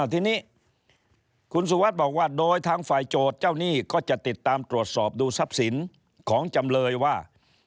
ทีนี้คุณสุวัสดิ์บอกว่าโดยทางฝ่ายโจทย์เจ้าหนี้ก็จะติดตามตรวจสอบดูทรัพย์สินของจำเลยว่า